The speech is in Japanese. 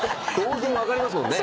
当然分かりますもんね。